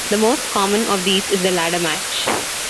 The most common of these is the ladder match.